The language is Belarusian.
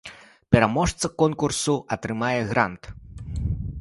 Пераможца конкурсу атрымае грант.